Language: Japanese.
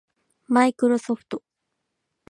マイクロソフト